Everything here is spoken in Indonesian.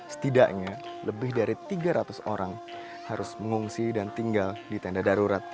setidaknya lebih dari tiga ratus orang harus mengungsi dan tinggal di tenda darurat